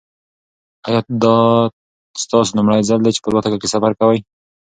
ایا دا ستاسو لومړی ځل دی چې په الوتکه کې سفر کوئ؟